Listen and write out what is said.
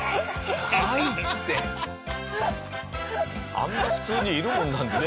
あんな普通にいるものなんですかね？